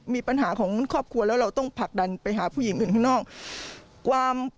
มีปัญหาของครอบครัวแล้วเราต้องผลักดันไปหาผู้หญิงอื่นข้างนอก